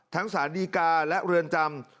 ทั้งศาลดีกาและเรือนจำ